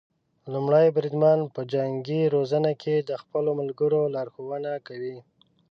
لومړی بریدمن په جنګي روزنو کې د خپلو ملګرو لارښونه کوي.